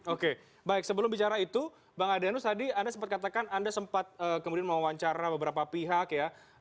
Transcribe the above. oke baik sebelum bicara itu bang adrianus tadi anda sempat katakan anda sempat kemudian mewawancara beberapa pihak ya